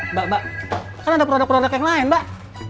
mbak mbak kan ada produk produk yang lain mbak